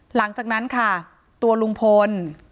หลังจากนั้นค่ะตัวลุงพล